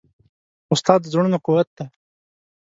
استاد د زړونو قوت دی.